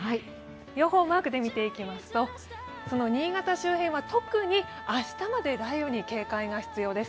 予報をマークで見ていきますと、新潟周辺は特に明日まで雷雨に警戒が必要です。